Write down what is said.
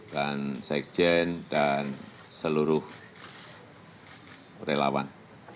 dan sekjen dan seluruh relawan